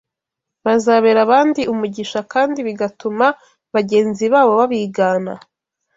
bazabera abandi umugisha, kandi bigatuma bagenzi babo babigana